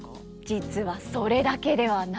実はそれだけではないんです。